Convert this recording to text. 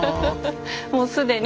もう既に。